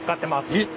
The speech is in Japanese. えっ？